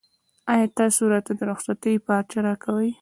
ایا تاسو راته د رخصتۍ پارچه راکوئ؟